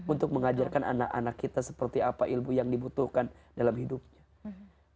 untuk mengajarkan anak anak kita seperti apa ilmu yang dibutuhkan dalam hidupnya